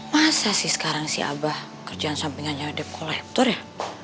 masa sih sekarang si abah kerjaan sampingan jadi dep kolektor ya